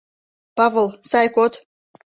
Павыл, сай код!